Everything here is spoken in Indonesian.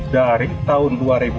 dari tahun dua ribu empat belas